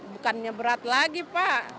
bukannya berat lagi pak